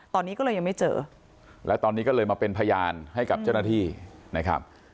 ตอนนี้ก็เลยยังไม่เจอแล้วตอนนี้ก็เลยมาเป็นพยานให้กับเจ้าหน้าที่นะครับ